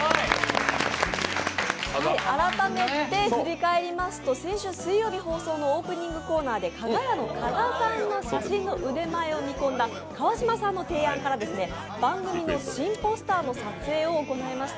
改めて振り返りますと先週水曜日放送のオープニングコーナーでかが屋の加賀さんの写真の腕前を見込んだ川島さんの提案から、番組の新ポスターの撮影を行いました。